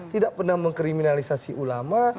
tidak pernah mengkriminalisasi ulama